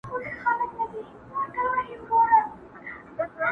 مینه که وي جرم قاسم یار یې پرستش کوي.